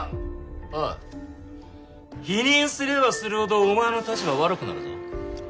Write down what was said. おい否認すればするほどお前の立場は悪くなるぞ？